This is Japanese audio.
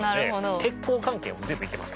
鉄工関係も全部いけます。